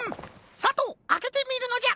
さとうあけてみるのじゃ。